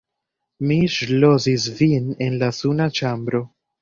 Mi ŝlosis vin en la suna ĉambro!